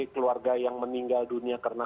keluarga yang meninggal dunia karena